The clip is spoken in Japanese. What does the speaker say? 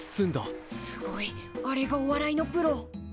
すごいあれがお笑いのプロ。